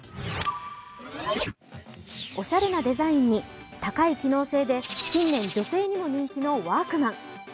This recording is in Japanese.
おしゃれなデザインに高い機能性で近年、女性にも人気のワークマン。